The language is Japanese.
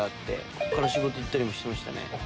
ここから仕事行ったりもしてましたね。